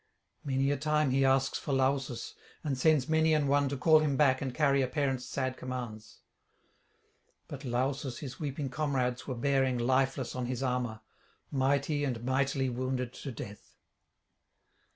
Many a time he asks for Lausus, and sends many an one to call him back and carry a parent's sad commands. But Lausus his weeping comrades were bearing lifeless on his armour, mighty and mightily wounded to death.